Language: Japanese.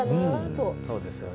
そうですよね。